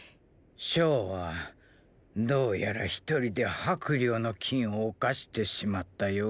象はどうやら一人で“魄領の禁”を冒してしまったようじゃ。